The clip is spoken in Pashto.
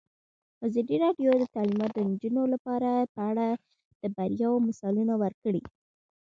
ازادي راډیو د تعلیمات د نجونو لپاره په اړه د بریاوو مثالونه ورکړي.